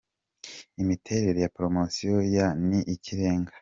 Imiterere ya Poromosiyo ya Ni Ikirengaa.